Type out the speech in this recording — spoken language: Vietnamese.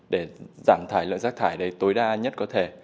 để giảm thải lượng rác thải này tối đa nhất có thể